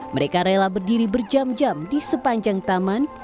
mereka rela berdiri berjam jam di sepanjang taman